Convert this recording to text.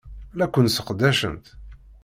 La ken-sseqdacent.